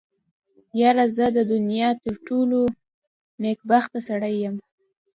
يره زه د دونيا تر ټولو نېکبخته سړی يم.